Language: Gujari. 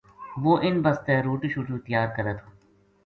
و ہ اِنھ بسطے روٹی شوٹی تیار کرے تھو